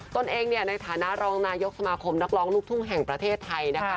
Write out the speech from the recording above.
ตนเองในฐานะรองนายกสมาคมนักร้องลูกทุ่งแห่งประเทศไทยนะคะ